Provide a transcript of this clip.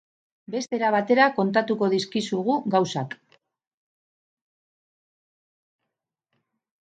Beste era batera kontatuko dizkizugu gauzak.